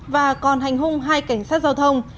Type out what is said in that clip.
và còn hành hung hai cảnh sát giao thông